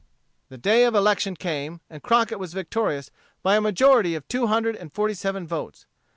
The day of election came, and Crockett was victorious by a majority of two hundred and forty seven votes.